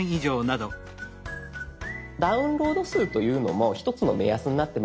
「ダウンロード数」というのも一つの目安になってまいります。